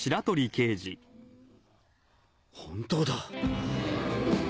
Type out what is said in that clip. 本当だ。